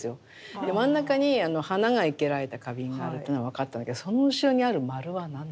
真ん中に花が生けられた花瓶があるというのは分かったんだけどその後ろにあるまるは何だ？